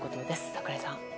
櫻井さん。